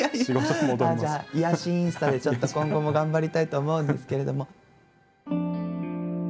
じゃあ癒やしインスタでちょっと今後も頑張りたいと思うんですけれども。